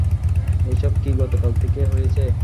এসব কি গতকাল থেকে হয়েছে?